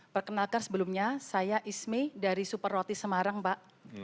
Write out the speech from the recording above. perkenalkan sebelumnya saya ismi dari super roti semarang pak